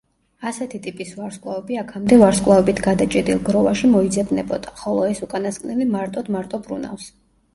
ასეთი ტიპის ვარსკვლავები აქამდე ვარსკვლავებით გადაჭედილ გროვაში მოიძებნებოდა, ხოლო ეს უკანასკნელი მარტოდ მარტო ბრუნავს.